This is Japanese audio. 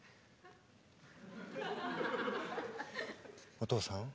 お父さん。